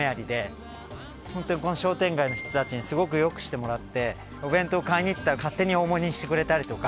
ホントにこの商店街の人たちにすごく良くしてもらってお弁当買いに行ったら勝手に大盛りにしてくれたりとか。